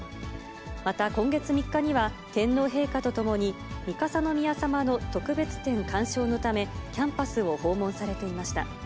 また今月３日には、天皇陛下と共に三笠宮さまの特別展鑑賞のため、キャンパスを訪問されていました。